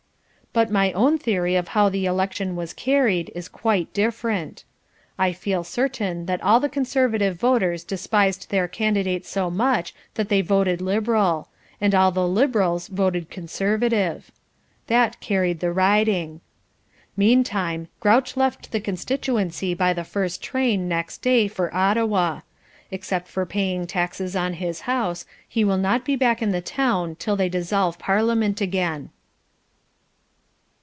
But my own theory of how the election was carried is quite different. I feel certain that all the Conservative voters despised their candidate so much that they voted Liberal. And all the Liberals voted Conservative. That carried the riding. Meantime Grouch left the constituency by the first train next day for Ottawa. Except for paying taxes on his house, he will not be back in the town till they dissolve parliament again.